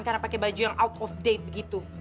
karena pakai baju yang out of date begitu